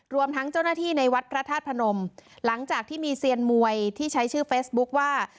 รวมทั้งเจ้าหน้าที่ในวัดพระธาตุพนมหลังจากที่มีเซียนมวยที่ใช้ชื่อเฟซบุ๊คว่า